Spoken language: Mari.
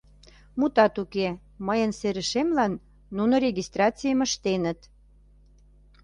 Мутат уке, мыйын серышемлан нуно регистрацийым ыштеныт.